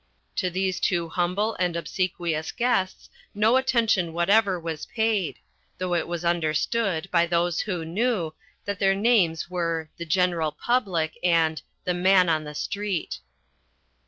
To these two humble and obsequious guests no attention whatever was paid, though it was understood, by those who knew, that their names were The General Public and the Man on the Street.